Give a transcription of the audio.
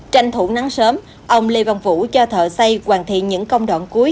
tranh thủ nắng sớm ông lê văn vũ cho thợ xây hoàn thiện những công đoạn cuối